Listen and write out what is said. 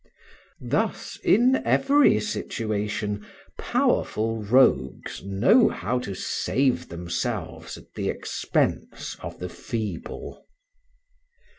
Thus, in every situation, powerful rogues know how to save themselves at the expense of the feeble.